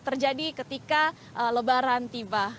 terjadi ketika lebaran tiba